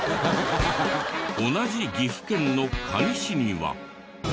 同じ岐阜県の可児市には。